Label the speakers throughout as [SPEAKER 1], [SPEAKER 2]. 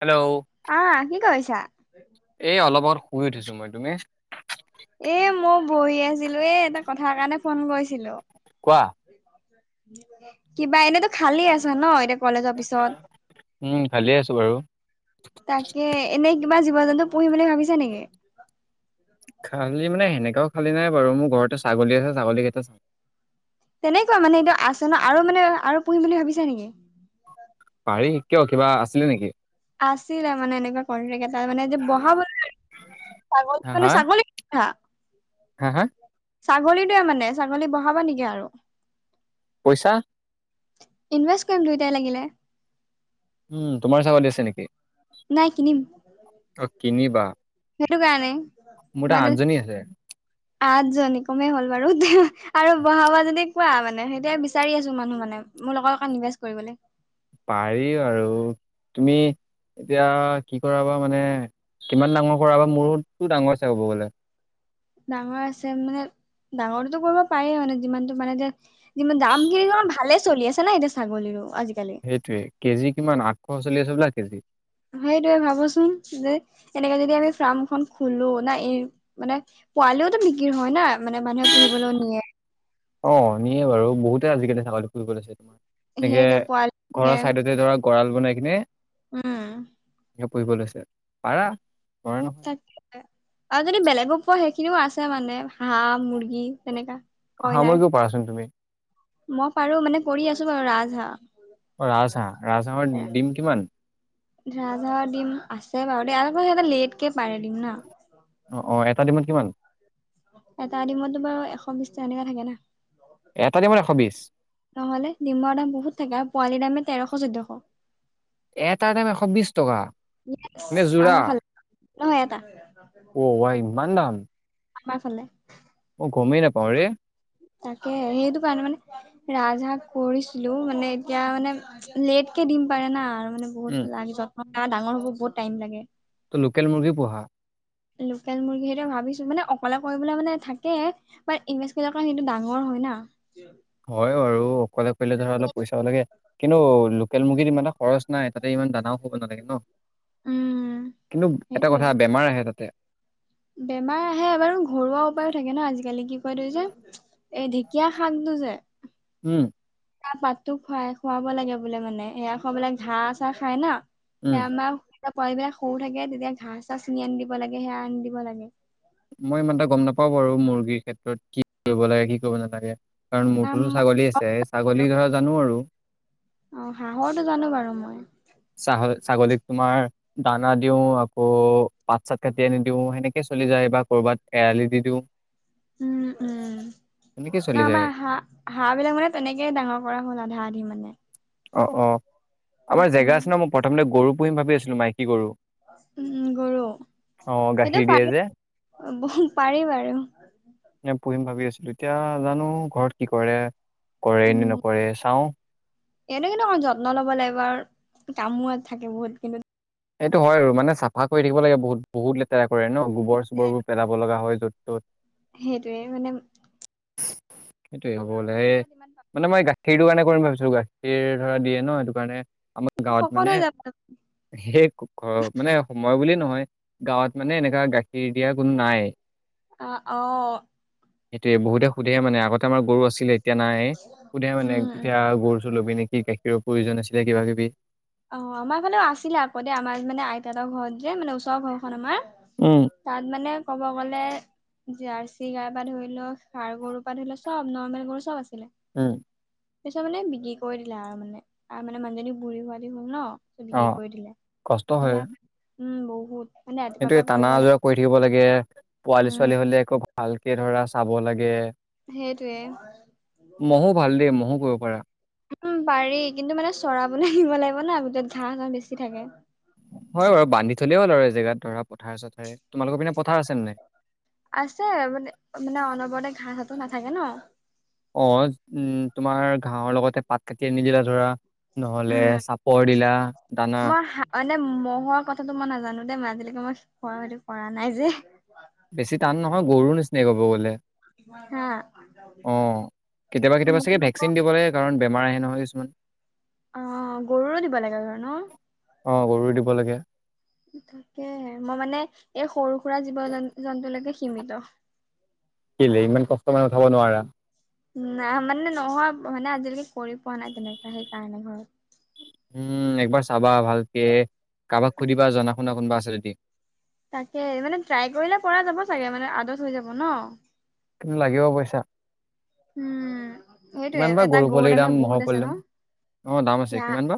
[SPEAKER 1] Hello
[SPEAKER 2] আহ কি কৰিছা?
[SPEAKER 1] এই অলপ আগত শুই উঠিছো মই তুমি?
[SPEAKER 2] এ মই বহি আছিলো এ এটা কথাৰ কাৰণে ফোন কৰিছিলোঁ। কিবা এনেত। খালী আছ ন এতিয়া কলেজৰ পিছত।
[SPEAKER 1] উম ভালে আছো বাৰু।
[SPEAKER 2] পঢ়িম বুলি ভাবিছা নেকি?
[SPEAKER 1] খালী মানে সেনেককাও খালী নাই বাৰু মোৰ ঘৰতে ছাগলী আছে ছাগলীকেইটা চা।
[SPEAKER 2] তেনেকুৱা মানে এতিয়া আচন আৰু মানে আৰু পুহিম বুলি ভাবিছা নেকি?
[SPEAKER 1] হেৰি কিয় কিবা আছিলে নেকি?
[SPEAKER 2] আছিলে মানে এনেকুৱা কণ্ট্ৰে এটা মানে যে বহা ব।
[SPEAKER 1] হা
[SPEAKER 2] ছাগলী মানে
[SPEAKER 1] হা?
[SPEAKER 2] ছাগলীঠা।
[SPEAKER 1] হা হা?
[SPEAKER 2] ছাগলীটোৱে মানে ছাগলী বহাবা নেকি আৰু।
[SPEAKER 1] পইচা।
[SPEAKER 2] ইনভেষ্ট কৰিম দুয়োটাই লাগিলে
[SPEAKER 1] উম, তোমাৰ ছাগলী আছে নেকি?
[SPEAKER 2] নাই, কিনিম।
[SPEAKER 1] অ কিনিবা?
[SPEAKER 2] সেইটো কাৰণে।
[SPEAKER 1] মোৰ তাত
[SPEAKER 2] মানে
[SPEAKER 1] আঠজনী আছে।
[SPEAKER 2] আঠজনী, কমেই হ'ল বাৰু, আৰু বঢ়াবা যদি কোৱা মানে, সেইটোয়ে বিচাৰি আছো মানুহ মানে। মোৰ লগৰ কাম [unintelligible] কৰিবলৈ।
[SPEAKER 1] পাৰি আৰু, তুমি, এতিয়া কি কৰাবা মানে কিমান ডাঙৰ কৰাবা, মোৰতো ডাঙৰ আছে ক'ব গ'লে।
[SPEAKER 2] ডাঙৰ আছে, মানে ডাঙৰটোতো কৰিব পাৰি মানে, যিমানতটো মানে এতিয়া, কিন্ত্ত দামখিনি ভালে চলি আছে ন এতিয়া ছাগলীৰো। আজিকালি
[SPEAKER 1] সেইটয়ে, কেজি কিমান আঠশ চলি আছে বোলে কেজি।
[SPEAKER 2] সেইটোয়ে ভাবোচোন, যে এনেকে যদি আমি ফাৰ্ম খন খোলো নাই, এই মানে পোৱালিওতো বিক্ৰ হয় না মানে মানুহে পুহিবলৈ নিয়ে।
[SPEAKER 1] অ', নিয়ে বাৰু বহুত [unintelligible] আজিকালি ছাগলী পুহিব লৈছোঁ, এনেকে,
[SPEAKER 2] সেইটোৱে পোৱালি নিয়ে
[SPEAKER 1] ঘৰৰ চাইদতে ধৰা গঁৰাল বনাই কিনে
[SPEAKER 2] উম,
[SPEAKER 1] পু়হিব লৈছে, পাৰা। নোৱাৰা নহয়
[SPEAKER 2] তাকে, আৰু যদি বেলেগো পোৱা সেইখিনিও আছে মানে। হাঁহ, মুৰ্গী তেনেকা,
[SPEAKER 1] হাঁহ
[SPEAKER 2] কয়লাৰ।
[SPEAKER 1] মুৰ্গীও পাৰাচোন তুমি
[SPEAKER 2] মই পাৰোঁ মানে কৰি আছোঁ বাৰু ৰাজহাঁহ।
[SPEAKER 1] অ', ৰাজহাঁহ, ৰাজহাঁহৰ ডিম কিমান?
[SPEAKER 2] ধৰা ধৰা ডিম আছে বাৰু দে আৰু সিঁহতে লেটকে পাৰে ডিম না।
[SPEAKER 1] অ অ এটা ডিমত কিমান
[SPEAKER 2] এটা ডিমত তোমাৰ এশ বিশ এনেকা থাকে না।
[SPEAKER 1] এটা ডিমত এশ বিশ
[SPEAKER 2] নহ'লে ডিমৰ দাম বহুত থাকে আৰু পোৱালিৰ দামে তেৰশ চৈধ্য অ',
[SPEAKER 1] এটাৰ দাম এশ বিশ টকা?
[SPEAKER 2] ইয়েছ
[SPEAKER 1] নে যোৰা,
[SPEAKER 2] আমাৰ ফালে নহয় এটা
[SPEAKER 1] অ, ভাই ইমান দাম?
[SPEAKER 2] আমাৰ ফালে।
[SPEAKER 1] গমে নাপাওঁ ৰে।
[SPEAKER 2] তাকে সেইটো কাৰণে মানে, ৰাজহাঁহ কৰিছিলোঁ মানে এতিয়া মানে, লেটকে দিম পাৰে না আৰু মানে
[SPEAKER 1] উম
[SPEAKER 2] বহুত লাগে যত্ন ডাঙৰ হব বহুত টাইম লাগে।
[SPEAKER 1] ত লোকেল মুৰ্গী পুহা?
[SPEAKER 2] লোকেল মুৰ্গী সেইটো ভাবিছোঁ, মানে অকলে কৰিবলে মানে থাকে [unintelligible] সেইটো ডাঙৰ হয়। হয় না?
[SPEAKER 1] হয় আৰু অকলে কৰিলে ধৰা অলপ পইচাও লাগে, কিন্তু লোকেল মুৰ্গীত ইমানটা খৰচ নাই। তাতে ইমান দানাও খুৱাব নালাগে ন',
[SPEAKER 2] উম
[SPEAKER 1] কিন্তু এটা
[SPEAKER 2] সেইটোয়ে
[SPEAKER 1] কথা বেমাৰ আহে তাতে।
[SPEAKER 2] বেমাৰ আহে বাৰু ঘৰুৱা উপায়ো থাকে ন' আজিকালি কি কয় তুই যে, এই ঢেকীয়া শাকটো যে।
[SPEAKER 1] উম
[SPEAKER 2] ঢেঁকীয়া পাতটো খুৱাই খুৱাব লাগে বোলে মানে, সেইয়া খোৱা বোলে ঘাঁ চাহ খাই নহ।
[SPEAKER 1] উম
[SPEAKER 2] সেয়া আমাৰ পোৱালী বিলাক সৰু থাকে, তেতিয়া ঘাঁহ চাহ ছিঙি আনি দিব লাগে, সেয়া আনি দিব লাগে।
[SPEAKER 1] মই ইমানটা গম নাপাওঁ বাৰু, মুৰ্গীৰ ক্ষেত্ৰত কি কৰিব লাগে? কি কৰিব নালাগে। কাৰণ
[SPEAKER 2] আম
[SPEAKER 1] মূৰটোতো ছাগলী আছে, ছাগলী ধৰা জানো আৰু।
[SPEAKER 2] অ, হাঁহৰটো জানো বাৰু মই।
[SPEAKER 1] ছাহ ছাগলীক তোমাৰ দানা দিও, আকৌ পাত চাত কাটি আনি দিও, সেনেকে চলি যায় বা ক'ৰবাত এৰালি দি দিওঁ।
[SPEAKER 2] উম উম।
[SPEAKER 1] তেনেকে
[SPEAKER 2] না,
[SPEAKER 1] চলি
[SPEAKER 2] আমাৰ
[SPEAKER 1] যায়।
[SPEAKER 2] হাঁহ, হাঁহ বিলাক মানে তেনেকেই ডাঙৰ কৰা হ'ল আধা আধি মানে।
[SPEAKER 1] অ অ, আমাৰ জেগা আছে নহ, মই প্ৰথমতে গৰু পুহিম ভাবি আছিলো, মাইকী গৰু।
[SPEAKER 2] উম গৰু,
[SPEAKER 1] অ
[SPEAKER 2] সেইটো
[SPEAKER 1] গাখীৰ দিয়ে
[SPEAKER 2] পাৰা
[SPEAKER 1] যে
[SPEAKER 2] ব পাৰি বাৰু।
[SPEAKER 1] তেতিয়া জানো ঘৰত কি কৰে, কৰেই নে
[SPEAKER 2] উম
[SPEAKER 1] নকৰে চাওঁ।
[SPEAKER 2] এইটো কিন্তু অকণমান যত্ন ল'ব লাগিব আৰু কামো থাকে বহুত। কিন্তু
[SPEAKER 1] এইটো হয় আৰু মানে চাফা কৰি থাকিব লাগে বহুত, বহুত লেতেৰা কৰে নহ, গোবৰ চোবৰ বোৰ পেলাব লগা হয় ত
[SPEAKER 2] সেইটোৱেই মানে।
[SPEAKER 1] সেইটোৱেই
[SPEAKER 2] লাগিব
[SPEAKER 1] হ'ব
[SPEAKER 2] আৰু
[SPEAKER 1] বোলে,
[SPEAKER 2] ইমান
[SPEAKER 1] এই
[SPEAKER 2] খেতি বাতি ইমান
[SPEAKER 1] মানে মই গাখীৰটো কাৰণে কৰিম ভাবিছো। যিটো গাখীৰ ধৰা দিয়ে ন, সেইটো কাৰণে আমাৰ গাঁৱত মানে
[SPEAKER 2] সকলোৱে যাব
[SPEAKER 1] ঘৰৰ মানে সময় বুলি নহয়, গাঁৱত মানে এনেকুৱা গাখীৰ দিয়া কোনো নাই।
[SPEAKER 2] অহ', অহ।
[SPEAKER 1] সেইটোৱেই বহুতে সুধে মানে, আগতে আমাৰ গৰু আছিলে। এতিয়া নাই। সোধে মানে
[SPEAKER 2] উম উম
[SPEAKER 1] এতিয়া গৰু চৰু লবি নেকি গাখীৰৰ প্ৰয়োজন আছিলে কিবা কিবি।
[SPEAKER 2] অহ', আমাৰ ফালেও আছিলে আকৌ দেই, আমাৰ মানে আইতাহঁতৰ ঘৰত যে মানে ওচৰৰ ঘৰখন আমাৰ
[SPEAKER 1] উম
[SPEAKER 2] তাত মানে ক'ব গ'লে জাৰ্চি গাইৰ পা ধৰি লৈ, সাৰ গৰুৰ পৰা ধৰি লৈ চব, নৰ্মেল গৰু চব আছে।
[SPEAKER 1] উম'।
[SPEAKER 2] তাৰ পিছত মানে বিক্ৰী কৰি দিলে আৰু, মানে আৰু মানে মানুহজনী বুঢ়ী হোৱাদি হ'ল নহ।
[SPEAKER 1] অ
[SPEAKER 2] বিক্ৰী কৰি দিলে।
[SPEAKER 1] কষ্ট হয়
[SPEAKER 2] [unintelligible] উম বহুত। মানে ৰাতিপুৱাৰ পৰা
[SPEAKER 1] সেইটোৱে টানা
[SPEAKER 2] কৰিব লাগে
[SPEAKER 1] আযোৰা কৰি থাকিব লাগে, পোৱালী
[SPEAKER 2] উম
[SPEAKER 1] ছোৱালী হ'লে একো ভাল একে ধৰা, চাব লাগে।
[SPEAKER 2] সেইটোয়ে
[SPEAKER 1] ম'হো ভাল দেই ম'হো পুহিব পাৰা।
[SPEAKER 2] উম' পাৰি কিন্তু মানে চৰাবলে নিব লাগিব না, গোটেই ঘাঁহ চাহ বেছি থাকে।
[SPEAKER 1] হয় বাৰু, বান্ধি থলেই হ'ল আৰু এজেগাত, ধৰা পথাৰ-চথাৰ
[SPEAKER 2] আছে মানে, মানে অনবৰতে ঘাঁহতো নাখাই। থাকে ন।
[SPEAKER 1] অ', উম, তোমাৰ ঘাঁহৰ লগতে পাত কাটি আনি দিলা ধৰা, নহ'লে চাপৰ দিলা, দানা।
[SPEAKER 2] মই হা মানে ম'হৰ কথাটো মই নাজানো দেই, মই আজিলৈকে মই [unintelligible] কৰা নাই যে।
[SPEAKER 1] অহ' গৰুৰ নিচিনাই ক'ব গ'লে।
[SPEAKER 2] হা
[SPEAKER 1] অহ' কেতিয়াবা কেতিয়াবা চাগে ভেকচিন দিব লাগে, কাৰণ বেমাৰ আহে নহয় কিছুমান।
[SPEAKER 2] অহ', গৰুৰো দিব লাগে, ধৰা ন।
[SPEAKER 1] অহ' গৰুৰ দিব লাগে।
[SPEAKER 2] তাকেহে, মই মানে এই সৰু সুৰা জীৱ-জন্তুলৈকে সিমিত।
[SPEAKER 1] কেলে? ইমান কষ্ট মানে উঠাব নোৱাৰা।
[SPEAKER 2] না মানে নহয়, মানে আজিলৈকে কৰি পোৱা নাই তেনেকা সেইকাৰণে, হয়।
[SPEAKER 1] উম' একবাৰ চাবা ভালকে, কাৰোবাক সুধিবা জনা শুনা কোনোবা আছে যদি।
[SPEAKER 2] তাকে মানে ট্ৰাই কৰিলে পৰা যাব চাগে, মানে আদত হৈ যাব ন।
[SPEAKER 1] কিন্তু লাগিব পইচা।
[SPEAKER 2] উম' সেইটোৱে,
[SPEAKER 1] কিমান বা
[SPEAKER 2] এটা
[SPEAKER 1] গৰু
[SPEAKER 2] গৰুৰ
[SPEAKER 1] পোৱালিৰ
[SPEAKER 2] দামে
[SPEAKER 1] দাম ম'হৰ
[SPEAKER 2] বহুত আছে
[SPEAKER 1] পোৱালিৰ
[SPEAKER 2] ন।
[SPEAKER 1] দাম অ দাম আছে
[SPEAKER 2] ইয়া,
[SPEAKER 1] কিমান বা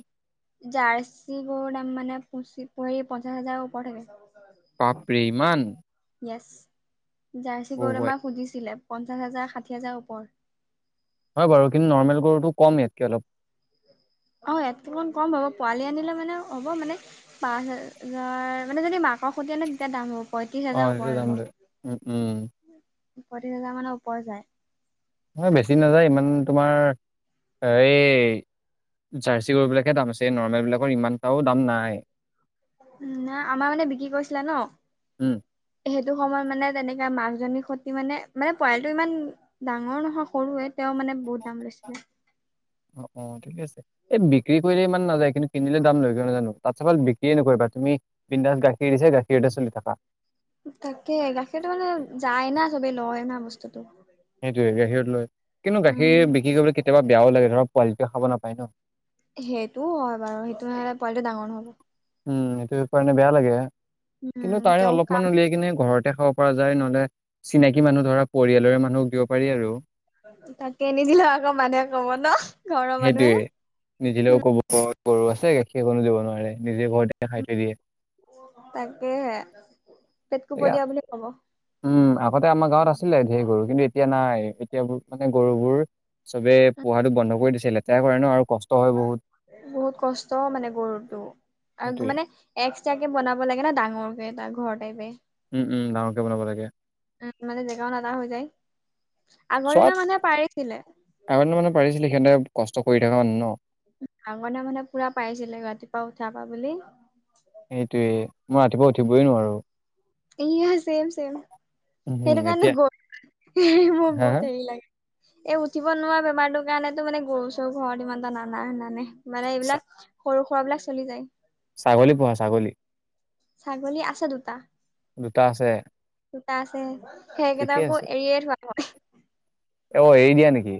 [SPEAKER 2] জাৰ্চি গৰু তাৰমানে পুচি পৰি পঞ্চাছ হাজাৰ ওপৰত হ'ব।
[SPEAKER 1] বাপৰে ইমান
[SPEAKER 2] য়েচ জাৰ্চি
[SPEAKER 1] অ
[SPEAKER 2] গৰুত
[SPEAKER 1] ৱাই
[SPEAKER 2] আমাক সুধিছিলে, পঞ্চাশ হাজাৰ ষাঠি হাজাৰ ওপৰ।
[SPEAKER 1] হয় বাৰু, কিন্তু নৰ্মেল গৰুটো কম ইয়াতকে অলপ।
[SPEAKER 2] অহ' ইয়াতকে কম, কম হ'ব পোৱালি আনিলে মানে হ'ব মানে, পাঁচ হাজাৰ মানে যদি মা মাকৰ হতে দুটা দাম হ'ব, পয়ত্ৰিশ
[SPEAKER 1] অ
[SPEAKER 2] হাজাৰৰ
[SPEAKER 1] সেইটো
[SPEAKER 2] ওপৰত
[SPEAKER 1] দাম
[SPEAKER 2] হ'ব।
[SPEAKER 1] লয়। উম, উম,
[SPEAKER 2] পয়ত্ৰিশ হাজাৰ মানৰ ওপৰত যায়।
[SPEAKER 1] হয়, বেছি নাযায় ইমান, তোমাৰ এই জাৰ্চি গৰুবিলাকে দাম আছে, নৰ্মেল বিলাকৰ ইমানটাও দাম নাই।
[SPEAKER 2] উম' নাই আমাৰ মানে বিক্ৰী কৰিছিলা ন।
[SPEAKER 1] উম,
[SPEAKER 2] সেইটো সময়ত মানে তেনেকে মাক জনী সতি মানে-মানে পোৱালিটো মানে ইমান ডাঙৰ নহয় সৰুৱে তেওঁ মানে বহুত দাম লৈছিলে।
[SPEAKER 1] অ'-অ' ঠিক আছে এই বিক্ৰী কৰিলে ইমান নাযায় কিন্তু কিনিলে দাম লৈ কিয় নাজানো তাতকে ভাল বিক্ৰিয়ে নকৰিবা তুমি বিন্দাছ গাখীৰ দিছে গাখীৰতে চলি থাকা।
[SPEAKER 2] তাকে গাখীৰটো মানে যায় না চবেই লয় না বস্তুটো।
[SPEAKER 1] সেইটোৱে গাখীৰত লৈ কিন্তু গাখীৰ
[SPEAKER 2] উম,
[SPEAKER 1] বিক্ৰী কৰিবলৈ কেতিয়াবা বেয়াও লাগে ধৰক পোৱালিটোৱে খাব নাপায় ন'।
[SPEAKER 2] সেইটোও হয় বাৰু সেইটো নহ'লে পোৱালিটো ডাঙৰ নহ'ব।
[SPEAKER 1] উম সেইটো কাৰণে বেয়া লাগে
[SPEAKER 2] উম
[SPEAKER 1] কিন্তু তাৰে
[SPEAKER 2] তেওঁক কাম
[SPEAKER 1] অলপমান উলিয়াই কিনে ঘৰত খাব পৰা যায় নহ'লে চিনাকি মানুহ ধৰা পৰিয়ালৰে মানুহক দিব পাৰি আৰু।
[SPEAKER 2] তাকে নিদিলে আকৌ মানুহে ক'ব ন' ঘৰৰ মানুহে।
[SPEAKER 1] সেইটোৱে নিদিলেও ক'ব গৰু আছে গাখীৰ অকনো দিব নোৱাৰে নিজে ঘৰতে খাই থৈ দিয়ে।
[SPEAKER 2] তাকেহে পেট
[SPEAKER 1] এতিয়া
[SPEAKER 2] কপটীয়া বুলি ক'ব।
[SPEAKER 1] উম আগতে আমাৰ গাঁৱত আছিলে ঢেৰ গৰু কিন্তু এতিয়া নাই এতিয়াবোৰ মানে গৰু বোৰ চবে পোহাটো বন্ধ কৰি দিছে, লেতেৰা কৰে ন' আৰু কষ্ট হয়
[SPEAKER 2] বহুত কষ্ট মানে গৰুটো আৰু
[SPEAKER 1] সেইটোয়ে
[SPEAKER 2] মানে এক্সট্ৰাকে বনাব লাগে ন' ডাঙৰকে এটা ঘৰ টাইপে।
[SPEAKER 1] উম-উম ডাঙৰকে বনাব লাগে।
[SPEAKER 2] উম মানে জেগাও নাতা হৈ যায় আগৰ দিনৰ
[SPEAKER 1] চোৱাত
[SPEAKER 2] মানুহে পাৰিছিলে।
[SPEAKER 1] আগতে মানে পাৰিছিলে সিহঁতে কষ্ট কৰি থকা মানুহ ন
[SPEAKER 2] আগৰদিনৰ মানুহে পুৰা পাইছিলে ৰাতিপুৱা উঠাৰ পা বুলি
[SPEAKER 1] সেইটোৱে মই ৰাতিপুৱা উঠিবই নোৱাৰোঁ।
[SPEAKER 2] এয়া চেম-চেম
[SPEAKER 1] উম হম
[SPEAKER 2] সেইটো কাৰণে
[SPEAKER 1] এতিয়া
[SPEAKER 2] গ মোৰ
[SPEAKER 1] হা হা
[SPEAKER 2] বহুত হেৰি লাগে। এই উঠিব নোৱাৰা বেমাৰটো কাৰণেতো মানে গৰু চৰু ঘৰত ইমান এটা নানা নানে। মানে
[SPEAKER 1] চা
[SPEAKER 2] এইবিলাক সৰু সুৰা বিলাক চলি যায়।
[SPEAKER 1] ছাগলী পোহা ছাগলী।
[SPEAKER 2] ছাগল আছে দুটা।
[SPEAKER 1] দুটা আছে।
[SPEAKER 2] সোতা আছে সেইকেইটা
[SPEAKER 1] ঠিকে
[SPEAKER 2] আকৌ
[SPEAKER 1] আছে
[SPEAKER 2] এৰিয়ে থোৱা।
[SPEAKER 1] অ হেৰি দিয়া নেকি?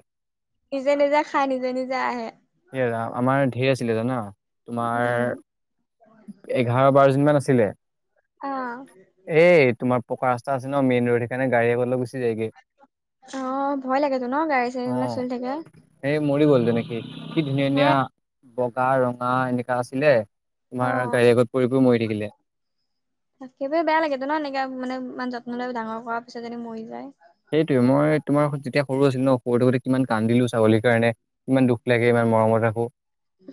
[SPEAKER 2] নিজে নিজা খা নিজে নিজে আহে।
[SPEAKER 1] এ ৰাম, আমাৰ ঢেৰ জানা
[SPEAKER 2] উম
[SPEAKER 1] তোমাৰ। এঘাৰ বাৰজনমান আছিলে
[SPEAKER 2] অ
[SPEAKER 1] এ তোমাৰ। পকা ৰাসা আছে ন মেইন ৰড সেইকাৰে গাড়ী আগলৈ গুি যায়গৈ।
[SPEAKER 2] অ ভয় লাগেতো ন গাড়ী চাড়ীবিলাক চলি থাকে।
[SPEAKER 1] সেই মৰি গ'লটো নেকি কি ধুনীয়া
[SPEAKER 2] হে
[SPEAKER 1] ধুনীয়া বগা ৰঙা এনেকা আছিলে।
[SPEAKER 2] অ
[SPEAKER 1] তোমাৰ গাড়ী আগত পৰি পৰি মৰি থাকিলে
[SPEAKER 2] একেবাৰে বেয়া লাগেতো ন এনেকা মানে। ইমান যত্ন ল ডাঙৰ কৰাৰ পিছত যেদি মৰি যায়।
[SPEAKER 1] সেইটোৱয়ে মই তোমাৰ যেতিয়া সৰু আছিলো ন সৰুতে গোতে কিমান কান্দ দিলো ছাগলীৰ কাৰণে। ইমান দুখ লাগে ইমান মৰমত ৰাখোঁ।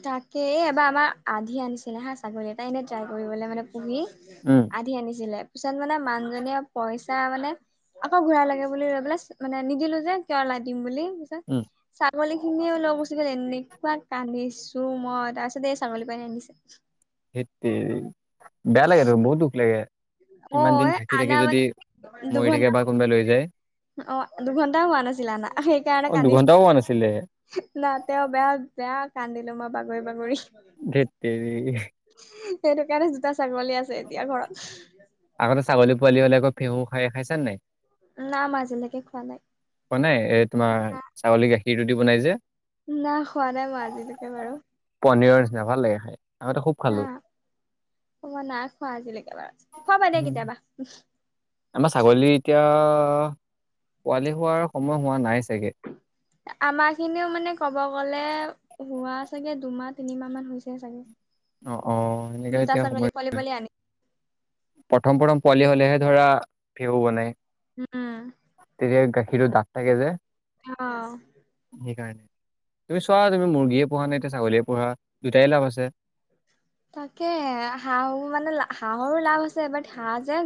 [SPEAKER 2] তাকে এবাৰ আমাৰ আধি আনিছিলে হা ছাগলী এটাই এনেই ট্ৰাই কৰিবলৈ মানে। পুহি
[SPEAKER 1] উম
[SPEAKER 2] আধি আনিছিলে পিছত মানে মানুহজনীয়ে পইচা মানে। আকৌ ঘূৰাই লাগে বুলি ৰৈ পেললে মানে নিদিলো যে কিয় ওলাই দিম বুলি। তাৰ পিছত
[SPEAKER 1] উম
[SPEAKER 2] ছাগলী খিনিও লগ গুচি গ'ল এনেকুৱা কান্দি। ছো মই তাৰপিছত এই ছাগলী পাই আনিছে।
[SPEAKER 1] ধেততেৰি বেয়া লাগে ত বহুত দুখ লাগে।
[SPEAKER 2] অ
[SPEAKER 1] ইমান দিন থাকি
[SPEAKER 2] আনা
[SPEAKER 1] থাকি
[SPEAKER 2] মানে
[SPEAKER 1] যদি মৰি
[SPEAKER 2] দুঘন্টা
[SPEAKER 1] থাকে বা কোনোবাই লৈ যায়।
[SPEAKER 2] অ দুঘন্টা হোৱা নাছিল আনা সেইকাৰণে
[SPEAKER 1] অ
[SPEAKER 2] কান্দি।
[SPEAKER 1] দুঘন্টাও হোৱা নাছিলে
[SPEAKER 2] না তেওঁ বেয়া বেয়া কান্দিলো মই বাগৰি বাগৰি।
[SPEAKER 1] ধেৎতেৰি।
[SPEAKER 2] সেইটো কাৰণে দুটা ছাগলী আছে এতিয়া ঘৰত।
[SPEAKER 1] আগতে ছাগলী পোৱালি হ'লে আকৌ ফেঁহু খাই খাইছা নে নাই।
[SPEAKER 2] না মই আজিলৈকে খোৱা নাই।
[SPEAKER 1] খোৱা নাই এই তোমাৰ ছাগলী গাখীৰ দি বনাই যে।
[SPEAKER 2] নাই খোৱা নাই মই আজিলৈকে বাৰু।
[SPEAKER 1] পনীৰৰ নিচিনা ভাল লাগে খাই। আগতে খুব
[SPEAKER 2] হা
[SPEAKER 1] খালো
[SPEAKER 2] মই নাই খোৱা আজিলৈকে বাৰু খাবা দে কেতিয়াবা।
[SPEAKER 1] আমাৰ ছাগলী এতিয়া পোৱালি হোৱাৰ সময় হোৱা নাই। চাগে
[SPEAKER 2] আমাৰ খিনিও মানে কব গলে। হোৱা চাগে দুমাহ তিনিমাহ মান হৈছে চাগে।
[SPEAKER 1] অ অ এনেকে
[SPEAKER 2] দুটা
[SPEAKER 1] এতিয়া সময়
[SPEAKER 2] ছাগলী পোৱালি পালি আনিম।
[SPEAKER 1] প্ৰথম প্ৰথম পোৱালি হলেহে ধৰা ভেউ বনাই।
[SPEAKER 2] উম।
[SPEAKER 1] ক্ষীৰৰ দাঁত থাকে যে।
[SPEAKER 2] আহ।
[SPEAKER 1] সেইকাৰণে তুমি চোৱা তুমি মুৰ্গীয়ে পহা নে এতিয়া ছাগলীয়ে পহা দুটাই লাভ আছে।
[SPEAKER 2] তাকে হাঁহ মানে হাঁহৰো লাভ আছে বাট হাঁহ যে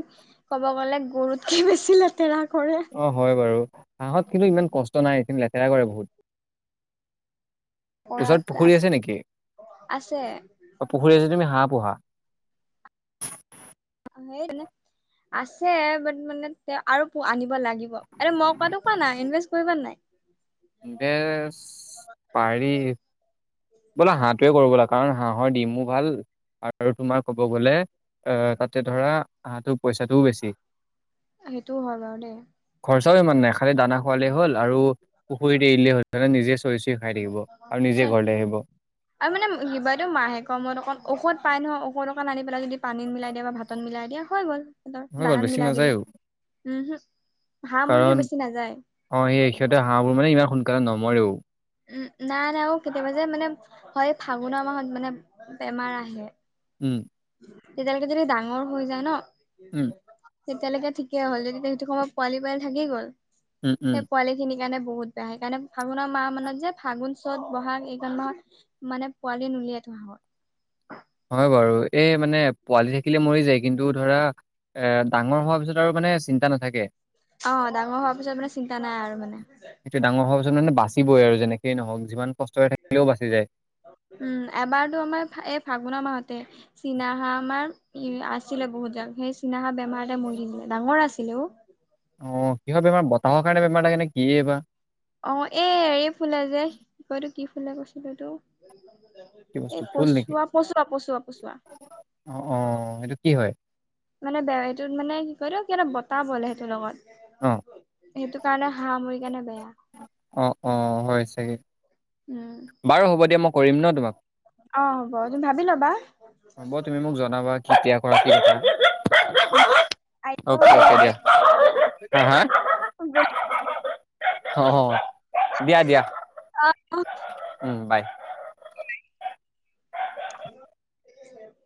[SPEAKER 2] ক'ব গ'লে। গৰুতকে বেছি লেতেৰা। কৰে
[SPEAKER 1] অ হয় বাৰু। হাঁহত কিন্তু ইমান কষ্ট নাই এদিন লেতেৰা কৰে বহুত। ওচৰত পুখুৰী আছে নেকি
[SPEAKER 2] আছে
[SPEAKER 1] পুখুৰী আছে তুমি হাঁহ পোহা।
[SPEAKER 2] সেই নাই [unintelligible] আছে বাট মানে আৰু আনিব লাগিব আৰু মই কোৱাটো কোৱা নাই ইনভেষ্ট কৰিবা নে নাই
[SPEAKER 1] বেচ পাৰি বোলো হাঁহটোৱে কৰিব লাগে কাৰণ হাঁহ হাঁহৰ দিমো ভাল আৰু তোমাৰ ক'ব গ'লে এ তাতে ধৰা হাঁহটো পইচাটোও বেছি
[SPEAKER 2] সেইটোও হয় বাৰু দেই
[SPEAKER 1] খৰচাও ইমান নাই খালি দানা খাৱালে হ'ল আৰু পুখুৰীত এৰিলে হ'ল নিজে চৰি চৰি খাই থাকিব আৰু নিজে
[SPEAKER 2] তাকে
[SPEAKER 1] ঘৰলে আহিব
[SPEAKER 2] [unintelligible] পাই নহয় ঔষধ অকণ আনি পেলাই যদি পানীত মিলাই দিয়া বা ভাতত মিলাই দিয়া হৈ গ'ল
[SPEAKER 1] হৈ গ'ল
[SPEAKER 2] দানা
[SPEAKER 1] বেছি
[SPEAKER 2] মিলাই দিলে
[SPEAKER 1] নাযায়ও
[SPEAKER 2] উম হম্
[SPEAKER 1] কাৰণ অ সেই এ সিহঁতে হাঁহবোৰ মানে ইমান সোনকালে নমৰেও
[SPEAKER 2] উম নাই নাই অ কেতিয়াবা যে মানে হয় ফাগুনৰ মাহত মানে বেমাৰ আহে
[SPEAKER 1] উম
[SPEAKER 2] তেতিয়ালৈকে যদি ডাঙৰ হৈ যায় ন
[SPEAKER 1] উম
[SPEAKER 2] তেতিয়ালৈকে ঠিকেই হ'ল যদি সেইটো সময়ত পোৱালি পোৱালি থাকি গল
[SPEAKER 1] উম উম
[SPEAKER 2] সেই পোৱালি খিনিৰ কাৰণে বহুত বেয়া হে কাৰণে ফাগুনৰ মাহ মানত যে ফাগুন চত বহাগ এইখন মাহত মানে পোৱালি নলিয়াই থাকে চ [unintelligible] [inaudible]
[SPEAKER 1] হয় বাৰু এই মানে পোৱালি থাকিলে মৰি যায় কিন্তু ধৰা এ ডাঙৰ হোৱাৰ পিছত আৰু মানে মানে চিন্তা নাথাকে
[SPEAKER 2] অ ডাঙৰ হোৱাৰ পিছত মানে চিন্তা নাই আৰু মানে
[SPEAKER 1] সেইটো ডাঙৰ হোৱাৰ মানে বাচিবই আৰু যেনেকেই নহওক যিমান কষ্ট
[SPEAKER 2] উম এবাৰতো আমাৰ এই ফাগুনৰ মাহত কে চীনা হা আমাৰ আছিলে বহুত জ সেই চীনা হা বেমাৰতে মৰি থাকিলে ডাঙৰ আছিলে অ
[SPEAKER 1] অ কিহৰ বেমাৰ বতাহৰ কাৰণে বেমাৰ লাগে নে কি এই বা
[SPEAKER 2] অ এ হেৰি‌ ফুলে যে কি কয় এইতো কি ফুলে কৈছিলো তো
[SPEAKER 1] কি বস্তু
[SPEAKER 2] এই
[SPEAKER 1] ফুল নেকি?
[SPEAKER 2] পচোৱা পচোৱা পচোৱা পচোৱা
[SPEAKER 1] অ', অ', সেইটো কি হয়?
[SPEAKER 2] মানে বে সেইটোত মানে কি ক ক বতাহ বল সেইটোৰ লগত
[SPEAKER 1] অ
[SPEAKER 2] সেইটো কাৰণে হাঁহ মৰি কাৰণে বেয়া
[SPEAKER 1] অ অ হয় চাগে
[SPEAKER 2] উম।
[SPEAKER 1] বাৰু হ'ব দিয়া মই কৰিম ন তোমাক
[SPEAKER 2] অ হ'ব তুমি ভাবি লবা
[SPEAKER 1] কতিাম
[SPEAKER 2] উম, আহিব
[SPEAKER 1] অকে
[SPEAKER 2] বেলেগ
[SPEAKER 1] দিয়া হা
[SPEAKER 2] বেলেগ
[SPEAKER 1] অ দিয়া দিয়া
[SPEAKER 2] অ',
[SPEAKER 1] উম বাই
[SPEAKER 2] [unintelligible]